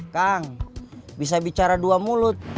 kang bisa bicara dua mulut